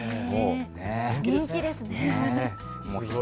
人気ですね。